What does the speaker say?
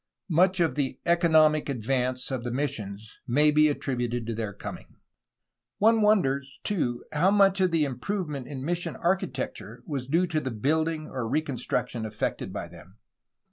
Much of the economic advance of the missions may be attributed to their coming. One wonders, too, how much of the improvement in mission architecture was due to the building or reconstruction effected by them.